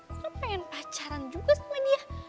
ngapain pacaran juga sama dia